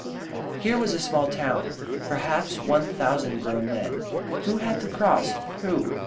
Here was a small town perhaps one thousand grown men. Who had the cross who?